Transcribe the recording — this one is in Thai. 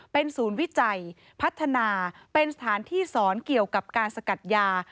เป็นศูนย์วิจัยพัฒนาเป็นสถานที่สอนเกี่ยวกับการสกัดยา